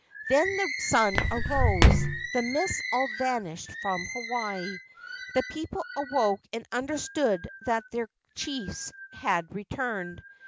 Then the sun arose, the mists all vanished from Hawaii. The people awoke and understood that their chiefs had returned.